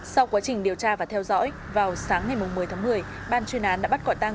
sau quá trình điều tra và theo dõi vào sáng ngày một mươi tháng một mươi ban chuyên án đã bắt quả tăng